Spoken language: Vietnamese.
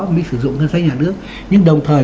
không mới sử dụng ngân sách nhà nước nhưng đồng thời